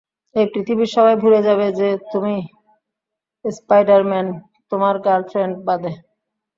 এই পৃথিবীর সবাই ভুলে যাবে যে তুমি স্পাইডার-মান, তোমার গার্লফ্রেন্ড বাদে।